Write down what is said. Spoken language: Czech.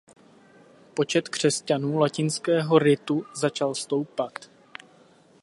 Počet křesťanů latinského ritu začal stoupat.